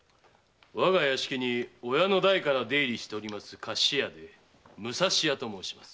我が屋敷に親の代から出入りしている菓子屋で武蔵屋と申します。